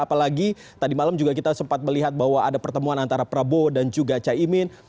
apalagi tadi malam juga kita sempat melihat bahwa ada pertemuan antara prabowo dan juga caimin